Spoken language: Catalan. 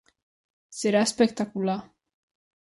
Serà espectacular.